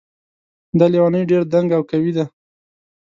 دا لیونۍ ډېر دنګ او قوي ده